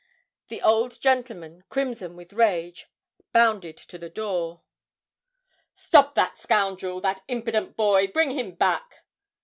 The old gentleman, crimson with rage, bounded to the door: 'Stop that scoundrel, that impident boy, bring him back!'